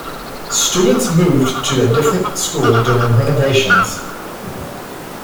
Students moved to a different school during renovations.